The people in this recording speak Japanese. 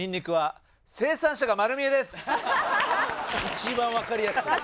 一番わかりやすい。